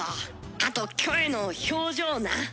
あとキョエの表情な。